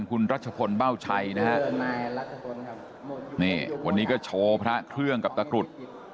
คุณรัชพลเบ้าชัยนะฮะนี่วันนี้ก็โชว์พระเครื่องกับตะกรุด